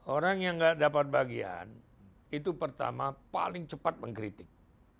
orang yang tidak dapat bagian itu pertama paling cepat mengkritik